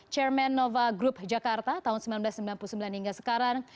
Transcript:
chairman nova group jakarta tahun seribu sembilan ratus sembilan puluh sembilan hingga sekarang